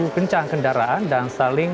kencang kendaraan dan saling